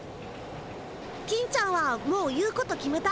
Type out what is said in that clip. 金ちゃんはもう言うこと決めた？